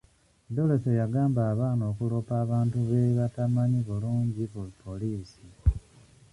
Dorothy yagamba abaana okuloopa abantu be batamanyi bulungi ku poliisi.